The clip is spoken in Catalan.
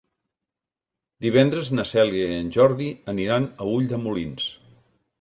Divendres na Cèlia i en Jordi aniran a Ulldemolins.